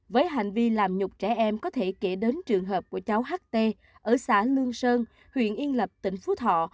với hành vi làm nhục trẻ em có thể kể đến trường hợp của cháu ht ở xã lương sơn huyện yên lập tỉnh phú thọ